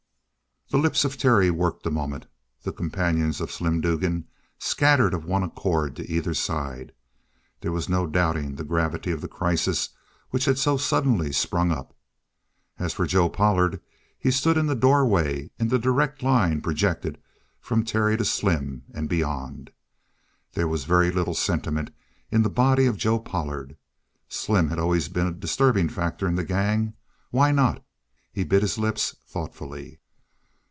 The lips of Terry worked a moment. The companions of Slim Dugan scattered of one accord to either side. There was no doubting the gravity of the crisis which had so suddenly sprung up. As for Joe Pollard, he stood in the doorway in the direct line projected from Terry to Slim and beyond. There was very little sentiment in the body of Joe Pollard. Slim had always been a disturbing factor in the gang. Why not? He bit his lips thoughtfully.